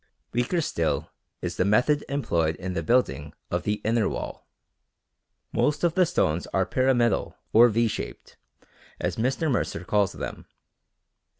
Weaker still is the method employed in the building of the inner wall. Most of the stones are pyramidal or V shaped, as Mr. Mercer calls them.